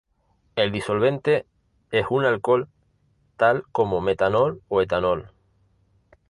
El disolvente es un alcohol tal como metanol o etanol.